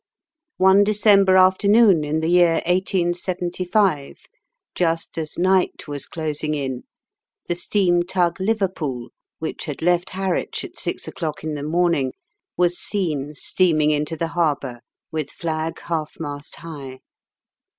One December afternoon in the year 1875, just as night was closing in, the steam tug Liverpool, which had left Harwich at six o'clock in the morning, was seen steaming into the harbour with flag half mast high.